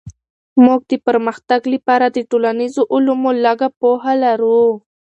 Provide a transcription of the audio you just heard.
موږ د پرمختګ لپاره د ټولنيزو علومو لږه پوهه لرو.